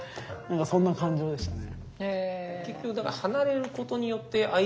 そんな感情でしたね。